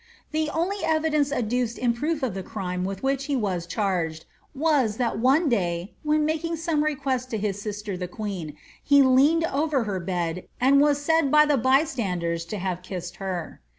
The only evidence adduced in proof of the crime with which he was charged, was, that one day, when making some request to his sister, the queen, he leaned over her bed, and was said by the by standers to have kissed her.'